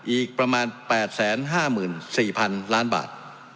อีกประมาณ๘๕๔๐๐๐ล้านบาท